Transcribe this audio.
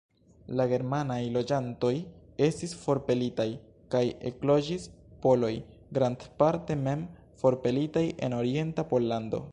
La germanaj loĝantoj estis forpelitaj, kaj ekloĝis poloj, grandparte mem forpelitaj el orienta Pollando.